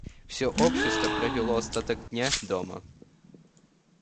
Все общество провело остаток дня дома.